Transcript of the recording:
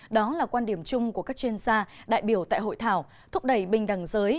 đó là quan điểm chung của các chuyên gia đại biểu tại hội thảo thúc đẩy bình đẳng giới